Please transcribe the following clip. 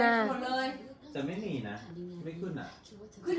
จะไม่มีนะจะไม่ขึ้นอ่ะ